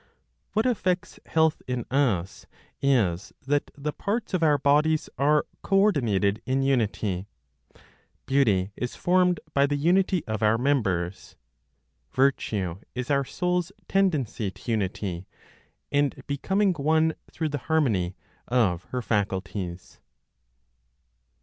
What effects health in us, is that the parts of our bodies are co ordinated in unity. Beauty is formed by the unity of our members. Virtue is our soul's tendency to unity, and becoming one through the harmony of her faculties.